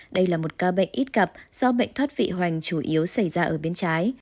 đây là một ca bệnh ít gặp do bệnh thoát vị hoành chủ yếu xảy ra ở bên trái